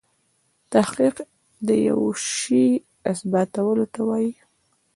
تحقیق دیوه شي اثباتولو ته وايي.